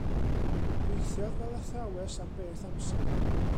Gweithiodd fel athrawes am beth amser.